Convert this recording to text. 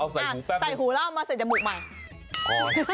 เอาใส่หูแป๊ปนิดใส่หูล่องเอาใส่จมูก